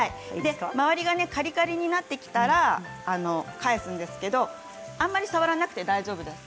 周りがカリカリになってきたら返すんですけれどあまり触らなくて大丈夫です。